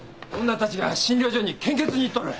女たちが診療所に献血に行っとる。